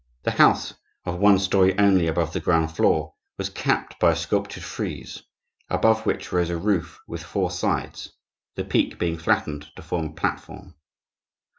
The house, of one story only above the ground floor, was capped by a sculptured frieze, above which rose a roof with four sides, the peak being flattened to form a platform.